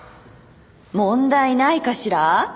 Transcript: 問題ないかしら？